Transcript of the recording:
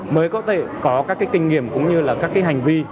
mới có thể có các cái kinh nghiệm cũng như là các cái hành vi